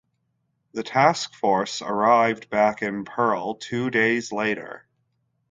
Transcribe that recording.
The task force arrived back in Pearl two days later.